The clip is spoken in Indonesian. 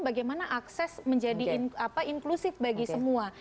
bagaimana akses menjadi inklusif bagi semua